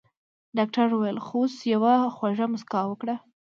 ډاکټر وويل خو اوس يوه خوږه مسکا وکړه.